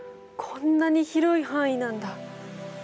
こんなに広い範囲なんだ。